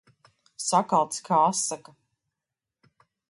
Sakaltis kā asaka.